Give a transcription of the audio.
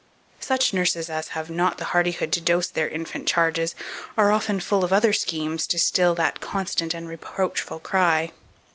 Such nurses as have not the hardihood to dose their infant charges, are often full of other schemes to still that constant and reproachful cry.